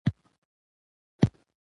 که درس ووايئ نو هېواد به مو جوړ شي.